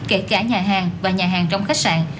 kể cả nhà hàng và nhà hàng trong khách sạn